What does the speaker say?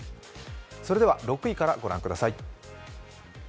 それでは６位からご覧ください。